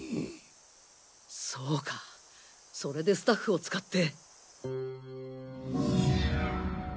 そうかそれでスタッフを使って。